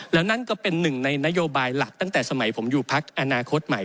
แล้วนั่นก็เป็นหนึ่งในนโยบายหลักตั้งแต่สมัยผมอยู่พักอนาคตใหม่